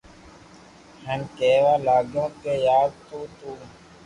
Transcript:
ھين ڪي ڪيوا لاگيو ڪي يار تو تو